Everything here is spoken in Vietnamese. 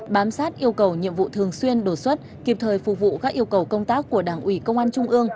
bám sát yêu cầu nhiệm vụ thường xuyên đột xuất kịp thời phục vụ các yêu cầu công tác của đảng ủy công an trung ương